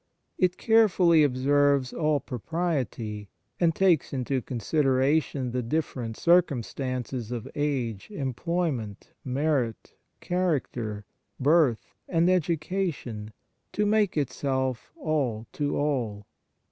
It carefully observes all propriety, and takes into consideration the different circumstances of age, employment, merit, character, birth, and education to make itself all to all.